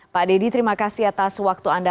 pak deddy terima kasih atas waktu anda